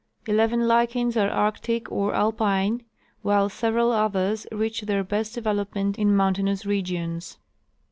Eleven lichens are arctic or alpine, while several others reach their best development in mountainous regions.